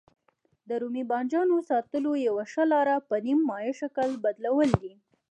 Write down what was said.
د رومي بانجانو ساتلو یوه ښه لاره په نیم مایع شکل بدلول دي.